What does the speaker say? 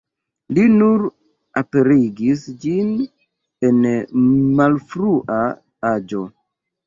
Li nur aperigis ĝin en malfrua aĝo.